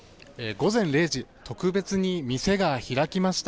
午前０時特別に店が開きました。